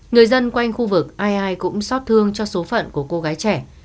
người dân quanh khu vực ai ai cũng xót thương cho số phận của cô gái trẻ